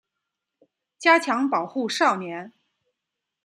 加强保护少年